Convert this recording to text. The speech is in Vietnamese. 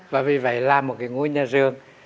và vì vậy làm một cái ngõi nhà giường